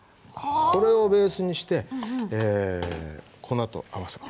これをベースにして粉と合わせます。